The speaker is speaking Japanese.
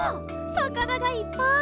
さかながいっぱい！